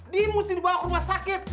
dia mesti dibawa ke rumah sakit